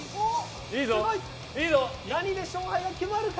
何で勝敗が決まるか。